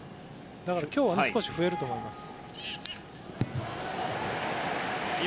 だから今日は少し増えると思います。